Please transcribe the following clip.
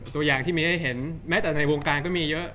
ตัวอย่างที่มีให้เห็นแม้แต่ในวงการก็มีเยอะ